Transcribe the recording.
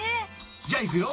じゃあいくよ。